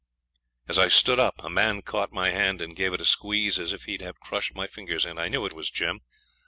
As I stood up a man caught my hand and gave it a squeeze as if he'd have crushed my fingers in. I knew it was Jim.